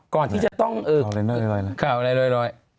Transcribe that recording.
ก่อนที่จะต้องข่าวอะไรรอย